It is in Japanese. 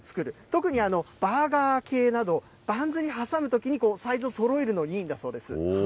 特にバーガー系など、バンズに挟むときに、サイズをそろえるのにいいんだそうです。